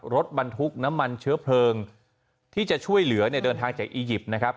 รถบรรทุกน้ำมันเชื้อเพลิงที่จะช่วยเหลือเนี่ยเดินทางจากอียิปต์นะครับ